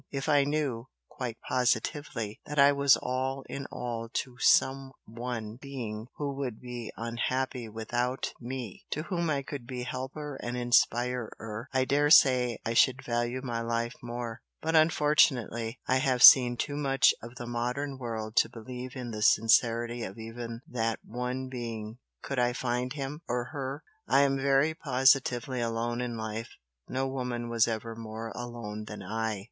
If I knew, quite positively, that I was all in all to some ONE being who would be unhappy without me, to whom I could be helper and inspirer, I dare say I should value my life more, but unfortunately I have seen too much of the modern world to believe in the sincerity of even that 'one' being, could I find him or her. I am very positively alone in life, no woman was ever more alone than I!"